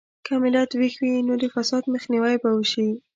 که ملت ویښ وي، نو د فساد مخنیوی به وشي.